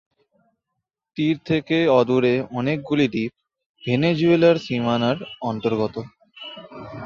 তীর থেকে অদূরে অনেকগুলি দ্বীপ ভেনেজুয়েলার সীমানার অন্তর্গত।